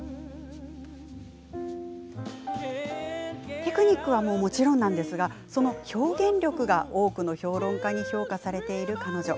テクニックはもちろんその表現力が多くの評論家に評価されている彼女。